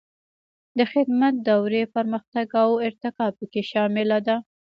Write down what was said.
د خدمت دورې پرمختګ او ارتقا پکې شامله ده.